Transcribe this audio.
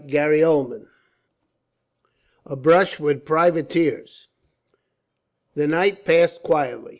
Chapter 3: A Brush With Privateers. The night passed quietly.